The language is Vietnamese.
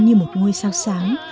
như một ngôi sao sáng